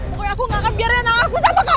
pokoknya aku gak akan biarkan anak aku sama kamu